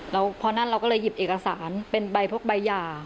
แล้วพอนั่นเราก็เลยหยิบเอกสารเป็นใบพวกใบหย่า